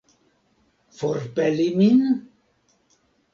Forpeli min?